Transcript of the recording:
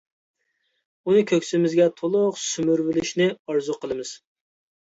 ئۇنى كۆكسىمىزگە تولۇق سۈمۈرۈۋېلىشنى ئارزۇ قىلىمىز.